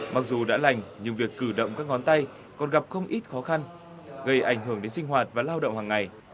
mặc dù đã lành nhưng việc cử động các ngón tay còn gặp không ít khó khăn gây ảnh hưởng đến sinh hoạt và lao động hàng ngày